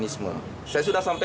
saya sudah sampai